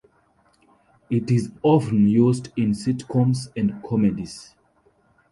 It is often used in sitcoms and comedies.